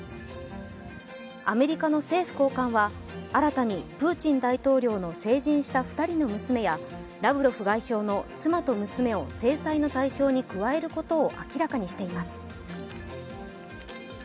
アメリカの政府高官は新たにプーチン大統領の成人した２人の娘やラブロフ外相の妻と娘を制裁の対象に加えることを明らかにしています。